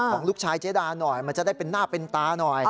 ของลูกชายเจ๊ดาหน่อยมันจะได้เป็นหน้าเป็นตาหน่อย